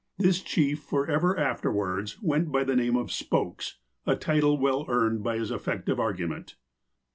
This chief, forever afterwards, went by the name of "Spokes," a title well earned by his effective argument.